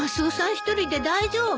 一人で大丈夫？